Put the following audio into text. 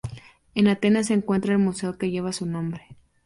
En Atenas se encuentra el museo que lleva su nombre.